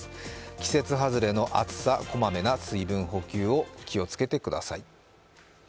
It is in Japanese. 季節外れの暑さこまめな水分補給を気をつけてください。